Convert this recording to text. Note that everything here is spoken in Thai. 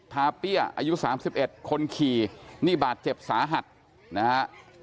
ทาเปี้ยอายุสามสิบเอ็ดคนขี่นี่บาดเจ็บสาหัดนะฮะ